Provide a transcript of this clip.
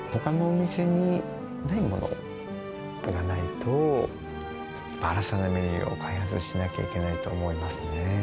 ほかのお店にないものがないと、新たなメニューを開発しなきゃいけないと思いますね。